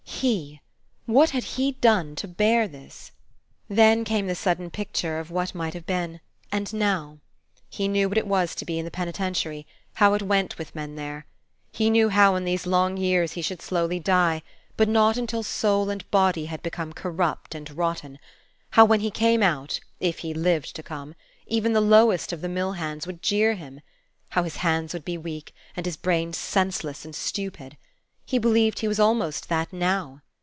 He, what had he done to bear this? Then came the sudden picture of what might have been, and now. He knew what it was to be in the penitentiary, how it went with men there. He knew how in these long years he should slowly die, but not until soul and body had become corrupt and rotten, how, when he came out, if he lived to come, even the lowest of the mill hands would jeer him, how his hands would be weak, and his brain senseless and stupid. He believed he was almost that now.